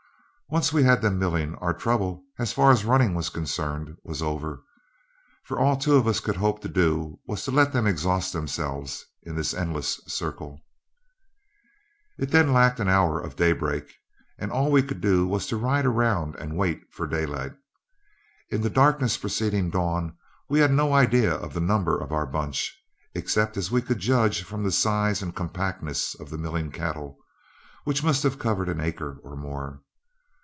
Once we had them milling, our trouble, as far as running was concerned, was over, for all two of us could hope to do was to let them exhaust themselves in this endless circle. It then lacked an hour of daybreak, and all we could do was to ride around and wait for daylight. In the darkness preceding dawn, we had no idea of the number of our bunch, except as we could judge from the size and compactness of the milling cattle, which must have covered an acre or more.